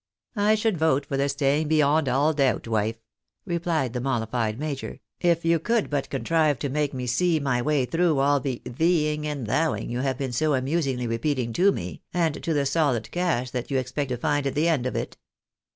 " I should vote for the staying beyond all doubt, wife," replied the mollified major, " if you could but contrive to make me see my way through all the theeing and thouing you have been so amus ingly repeating to me, and to the solid cash that you expect to find at the end of it.